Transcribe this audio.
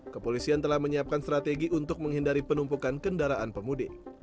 kepolisian telah menyiapkan strategi untuk menghindari penumpukan kendaraan pemudik